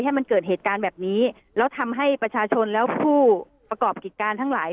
ให้มันเกิดเหตุการณ์แบบนี้แล้วทำให้ประชาชนแล้วผู้ประกอบกิจการทั้งหลาย